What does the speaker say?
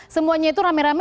semuanya itu rame rame